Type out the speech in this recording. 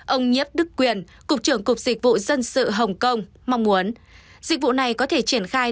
ông nhấp đức quyền cục trưởng cục dịch vụ dân sự hồng kông mong muốn dịch vụ này có thể triển khai